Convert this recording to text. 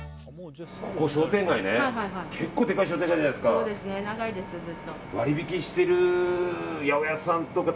商店街ね、結構でかい商店街じゃないですか。